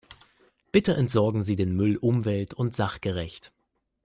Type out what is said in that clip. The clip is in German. Bitte entsorgen Sie den Müll umwelt- und sachgerecht.